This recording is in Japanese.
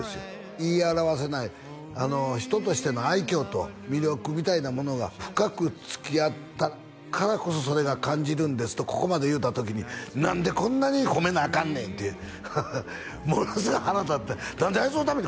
言い表せない人としての愛嬌と魅力みたいなものが深く付き合ったからこそそれが感じるんですとここまで言うた時に「何でこんなに褒めなアカンねん！」ってものすごい腹立てて「何であいつのために」